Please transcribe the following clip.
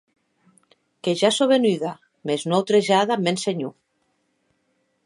Que ja sò venuda, mès non autrejada ath mèn senhor.